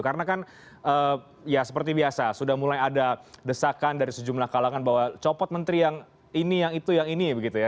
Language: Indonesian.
karena kan ya seperti biasa sudah mulai ada desakan dari sejumlah kalangan bahwa copot menteri yang ini yang itu yang ini begitu ya